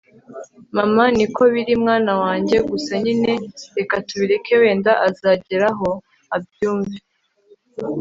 mama niko biri mwana wanjye, gusa nyine reka tubireke wenda azageraho abyumve